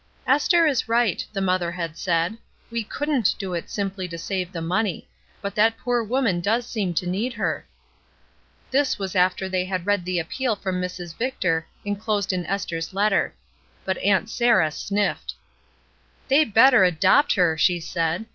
''Esther is right," the mother had said. "We couldnH do it simply to save the money; but that poor woman does seem to need her." This was after they had read the appeal from Mrs. Victor, enclosed in Esther's letter. But Aunt Sarah sniffed. "They better adopt her," she said.